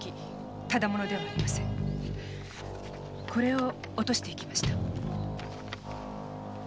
これを落としていきました。